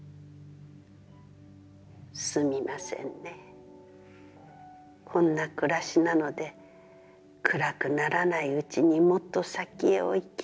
『すみませんね、こんな暮らしなので、暗くならないうちにもっと先へお行きなさい』